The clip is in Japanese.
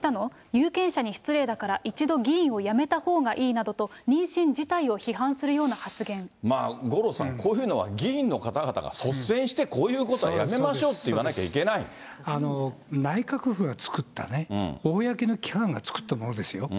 有権者に失礼だから、一度議員を辞めたほうがいいなどと、五郎さん、こういうのは議員の方々が率先してこういうことはやめましょうっ内閣府が作ったね、公の機関が作ったものですよ。